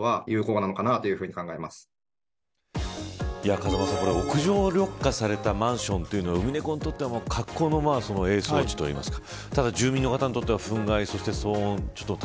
風間さん、屋上緑化されたマンションというのはウミネコにとっては格好の巣作りの立地といいますか。